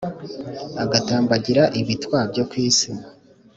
agatambagira ibitwa byo ku isi.